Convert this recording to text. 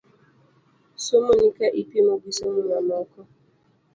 Somoni ka ipimo gi somo mamoko .